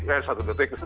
eh satu detik